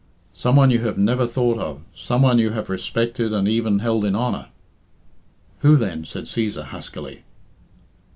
"Some one you have never thought of some one you have respected and even held in honour " "Who, then?" said Cæsar huskily.